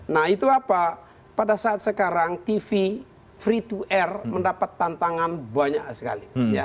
nah itu apa pada saat sekarang tv free to air mendapat tantangan banyak sekali